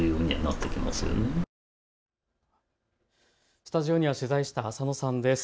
スタジオには取材した浅野さんです。